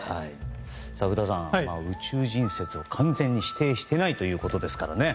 古田さん、宇宙人説を完全に否定していないということです。